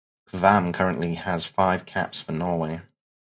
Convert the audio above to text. Kvamme currently has five caps for Norway.